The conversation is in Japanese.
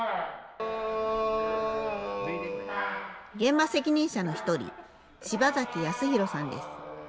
現場責任者の一人、芝崎康宏さんです。